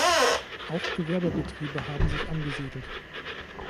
Auch Gewerbebetriebe haben sich angesiedelt.